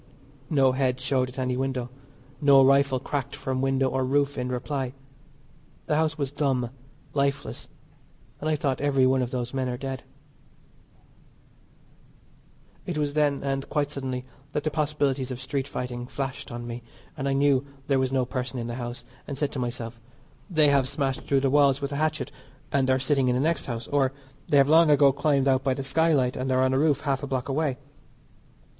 No head showed at any window, no rifle cracked from window or roof in reply. The house was dumb, lifeless, and I thought every one of those men are dead. It was then, and quite suddenly, that the possibilities of street fighting flashed on me, and I knew there was no person in the house, and said to myself, "They have smashed through the walls with a hatchet and are sitting in the next house, or they have long ago climbed out by the skylight and are on a roof half a block away."